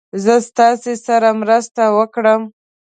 زه ستاسې سره مرسته وکړم.